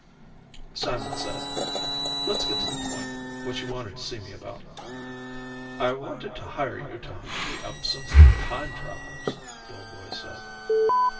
Simon said, "Let's get to the point, what you wanted to see me about." "I want to hire you to hunt me up some time travelers," the old boy said.